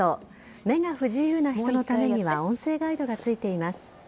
目が不自由な人のためには音声ガイドがついています。